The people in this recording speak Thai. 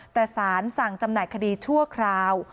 แต่สารสั่งจำหน่ายคดีชั่วคราว